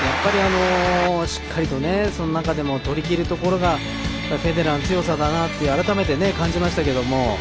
しっかりとその中でも取りきるところがフェデラーの強さだなと改めて感じましたけどね。